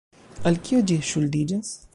Al kio ĝi ŝuldiĝas?